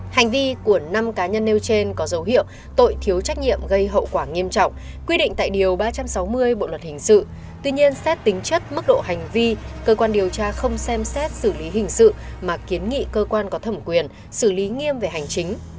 hành vi của năm cá nhân nêu trên có dấu hiệu tội thiếu trách nhiệm gây hậu quả nghiêm trọng quy định tại điều ba trăm sáu mươi bộ luật hình sự tuy nhiên xét tính chất mức độ hành vi cơ quan điều tra không xem xét xử lý hình sự mà kiến nghị cơ quan có thẩm quyền xử lý nghiêm về hành chính